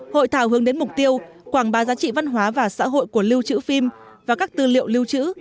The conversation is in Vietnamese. hội thảo hướng đến mục tiêu quảng bá giá trị văn hóa và xã hội của lưu trữ phim và các tư liệu lưu trữ